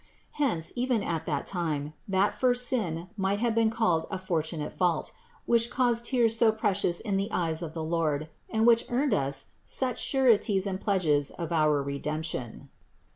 Hence, even at that time, that first sin might have been called a fortunate fault, which caused tears so precious in the eyes of the Lord, and which earned us such sureties and pledges of our Redemption.